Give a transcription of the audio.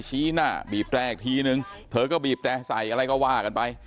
ชี้หน้าบีบแตรอีกทีนึงเธอก็บีบแตร่ใส่อะไรก็ว่ากันไป